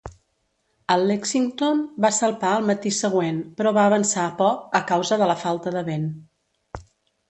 El "Lexington" va salpar el matí següent, però va avançar poc a causa de la falta de vent.